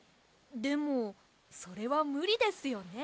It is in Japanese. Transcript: でもそれはむりですよね。